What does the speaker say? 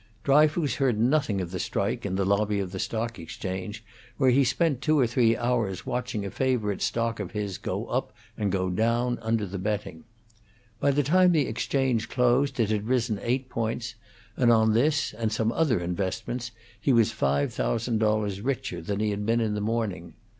Dryfoos heard nothing of the strike in the lobby of the Stock Exchange, where he spent two or three hours watching a favorite stock of his go up and go down under the betting. By the time the Exchange closed it had risen eight points, and on this and some other investments he was five thousand dollars richer than he had been in the morning.